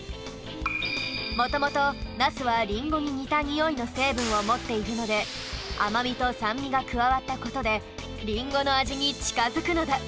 もともとナスはリンゴににたにおいのせいぶんをもっているのであまみとさんみがくわわったことでリンゴのあじにちかづくのだ。